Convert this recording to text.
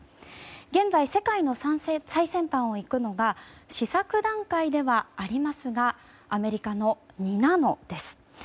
現在、世界の最先端を行くのが試作段階ではありますがアメリカの２ナノです。